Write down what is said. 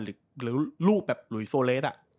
หรือรูปแบบหลุยโซเลส